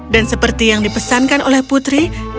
dan seperti yang dipesankan oleh putri